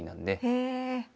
へえ。